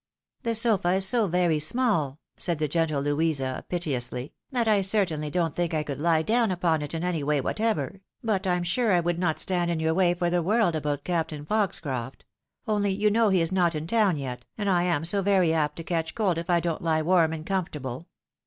"" The sofa is bo very small," said the gentle Louisa, piteously, " that I certainly don't think I could lie down upon it in any way whatever ; but I'm sure I would not stand in your way for the world about Captain Foxcroft ; only you know he is not in town yet, and I am so very apt to catch cold if I don't he warm and comfortable."